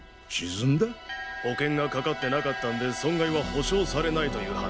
保険がかかってなかったんで損害は補償されないという話だ。